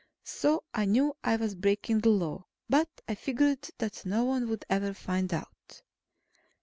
So I knew I was breaking the Law. But I figured that no one would ever find out.